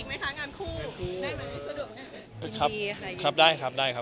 อะไรแบบนี้มีอีกมั้ยคะการคู่